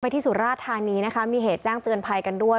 ที่สุราธานีนะคะมีเหตุแจ้งเตือนภัยกันด้วย